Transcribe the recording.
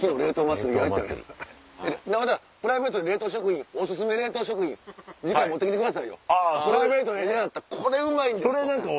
またプライベートで冷凍食品お薦め冷凍食品次回持って来てくださいよプライベートで出会った「これうまいんです」と。